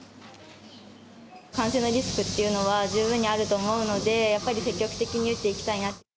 感染のリスクというのは、十分にあると思うので、やっぱり積極的に打っていきたいなと。